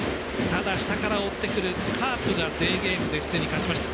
ただ、下から追ってくるカープがデーゲームですでに勝ちました。